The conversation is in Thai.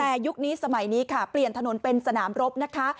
แต่ยุคนี้สมัยนี้ค่ะเปลี่ยนถนนเป็นสนามรบนะคะ